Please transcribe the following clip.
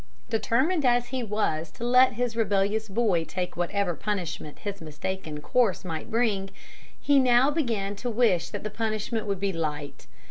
Determined as he was to let his rebellious boy take whatever punishment his mistaken course might bring, he now began to wish that the punishment would be light.